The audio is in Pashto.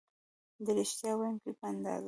د ریښتیا ویونکي په اندازه